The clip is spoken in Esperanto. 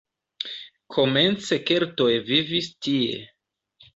Komence keltoj vivis tie.